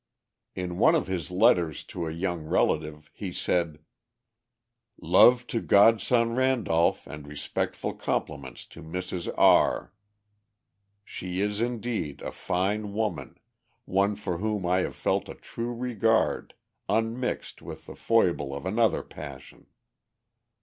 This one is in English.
In one of his letters to a young relative he said: "Love to god son Randolph and respectful compliments to Mrs. R. She is indeed a fine woman, one for whom I have felt a true regard, unmixed with the foible of another passion.